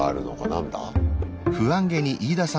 何だ？